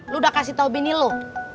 lu udah kasih tau bini lo